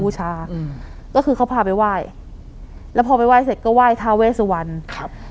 อืมก็คือเขาพาไปไหว้แล้วพอไปไหว้เสร็จก็ไหว้ทาเวสวันครับ